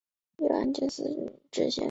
由按察司委摄湖广蒲圻县知县。